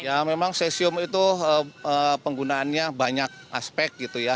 ya memang cesium itu penggunaannya banyak aspek gitu ya